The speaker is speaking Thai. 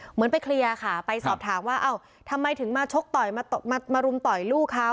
เหมือนไปเคลียร์ค่ะไปสอบถามว่าเอ้าทำไมถึงมาชกต่อยมารุมต่อยลูกเขา